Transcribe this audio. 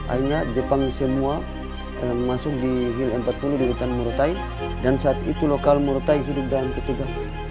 akhirnya jepang semua masuk di hill empat puluh di hutan murutai dan saat itu lokal murutai hidup dalam ketiga